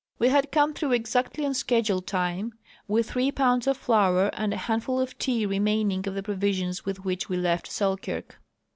We had come through exactly on schedule time, with three pounds of flour and a handful of tea remaining of the provisions with which we left Selkirk.